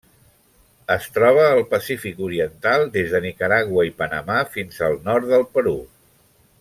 Es troba al Pacífic oriental: des de Nicaragua i Panamà fins al nord del Perú.